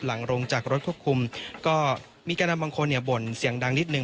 หลังลงจากรถควบคุมก็มีการณ์บางคนเนี่ยบ่นเสียงดังนิดหนึ่ง